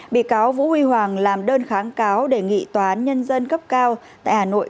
bị cáo vũ huy hoàng làm đơn kháng cáo đề nghị toán nhân dân cấp cao tại hà nội